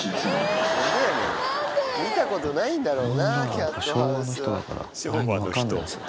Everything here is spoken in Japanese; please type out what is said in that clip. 見たことないんだろうな。